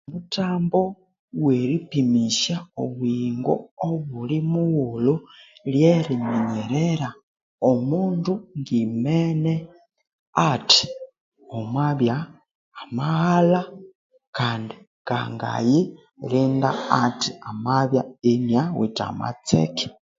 Omuthambo oweripimishya obuyingo obulimoghulho lyeriminyerera omundu ngimene athi omubya amaghalha Kandi ngangayirinda athi amabya iniawithe amatseke